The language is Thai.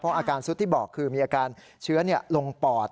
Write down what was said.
อาการสุดที่บอกคือมีอาการเชื้อลงปอด